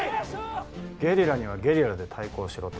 ゲリラにはゲリラで対抗しろと？